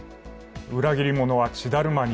「裏切り者は血だるまに」。